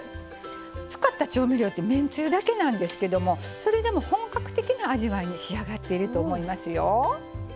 使った調味料ってめんつゆだけなんですけどもそれでも本格的な味わいに仕上がっていると思いますよ。